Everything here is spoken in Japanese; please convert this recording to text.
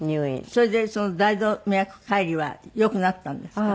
それでその大動脈解離はよくなったんですか？